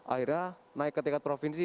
akhirnya naik ke tingkat provinsi